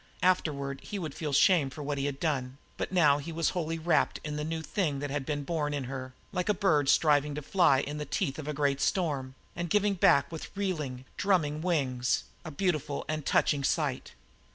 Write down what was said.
Afterward he would feel shame for what he had done, but now he was wholly wrapped in the new thing that had been born in her, like a bird striving to fly in the teeth of a great storm, and giving back with reeling, drumming wings, a beautiful and touching sight.